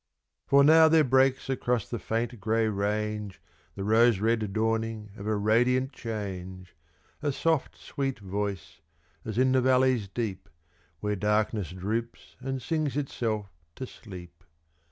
For now there breaks across the faint grey range The rose red dawning of a radiant change. A soft, sweet voice is in the valleys deep, Where darkness droops and sings itself to sleep.